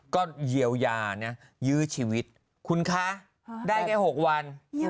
ก็เยียวยานะยื้อชีวิตคุณคะได้แค่๖วัน